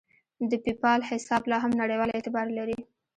د پیپال حساب لاهم نړیوال اعتبار لري.